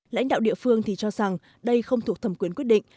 lãnh đạo địa phương thì cho rằng đây không thuộc thẩm quyền quyết định